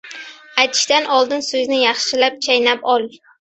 • Aytishdan oldin so‘zni yaxshilab chaynab ol.